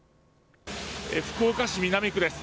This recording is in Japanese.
福岡市南区です。